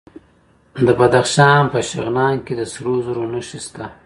د بدخشان په شغنان کې د سرو زرو نښې شته.